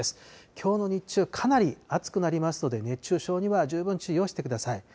きょうの日中、かなり暑くなりますので、熱中症には十分注意をしてください。